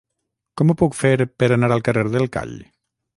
Com ho puc fer per anar al carrer del Call?